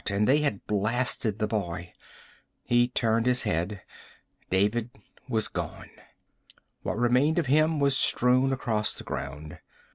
And they had blasted the boy. He turned his head. David was gone. What remained of him was strewn across the ground.